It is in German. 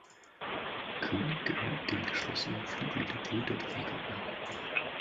König gehört dem „geschlossenen“ Flügel der Brüderbewegung an.